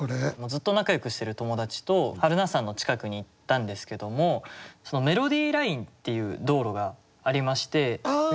ずっと仲よくしてる友達と榛名山の近くに行ったんですけどもメロディーラインっていう道路がありまして。